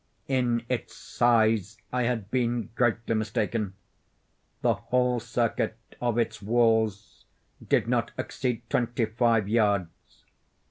In its size I had been greatly mistaken. The whole circuit of its walls did not exceed twenty five yards.